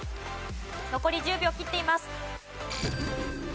残り１０秒切っています。